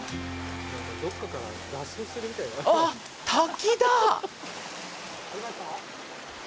あっ、滝だ！